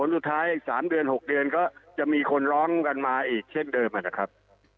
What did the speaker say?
สุดท้ายอีก๓เดือน๖เดือนก็จะมีคนร้องกันมาอีกเช่นเดิมนะครับ